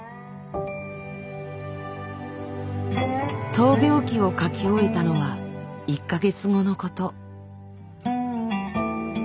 闘病記を書き終えたのは１か月後のこと。